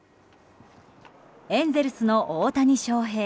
エンゼルスの大谷翔平。